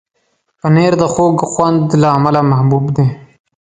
پنېر د خوږ خوند له امله محبوب دی.